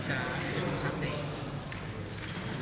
aku keras kalau di dalam